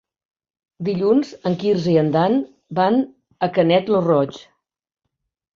Dilluns en Quirze i en Dan van a Canet lo Roig.